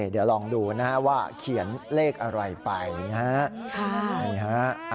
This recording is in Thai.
เดี๋ยวลองดูนะฮะว่าเขียนเลขอะไรไปนะฮะนี่ฮะ